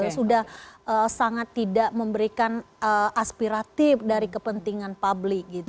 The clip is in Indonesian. sudah sangat tidak memberikan aspiratif dari kepentingan publik